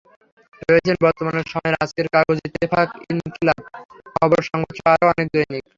রয়েছে বর্তমান সময়ের আজকের কাগজ, ইত্তেফাক, ইনকিলাব, খবর, সংবাদসহ আরও অনেক দৈনিক।